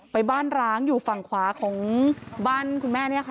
ไปบ้านร้างอยู่ฝั่งขวาของบ้านคุณแม่เนี่ยค่ะ